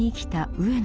上野